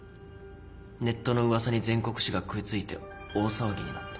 ネットの噂に全国紙が食い付いて大騒ぎになった。